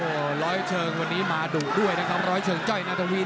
โอ้โหร้อยเชิงวันนี้มาดุด้วยนะครับร้อยเชิงจ้อยนาธวี